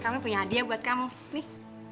kami punya hadiah buat kamu nih